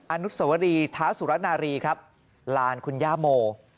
อนุสวรีท้าสุรนารีครับลานคุณย่าโม